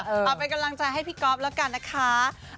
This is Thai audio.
เอาเป็นกำลังใจให้พี่ก๊อฟแล้วกันนะคะ